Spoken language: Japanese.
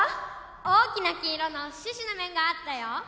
大きな金色の獅子の面があったよ。